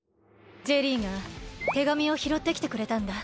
ジェリーが手紙をひろってきてくれたんだ。